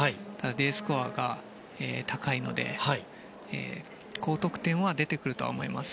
Ｄスコアが高いので高得点は出てくるとは思います。